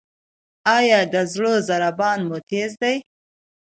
ایا د زړه ضربان مو تېز دی؟